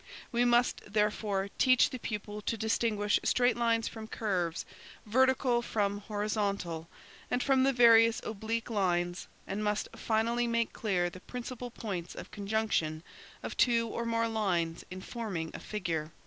We must therefore, teach the pupil to distinguish straight lines from curves, vertical from horizontal, and from the various oblique lines; and must finally make clear the principal points of conjunction of two or more lines in forming a figure.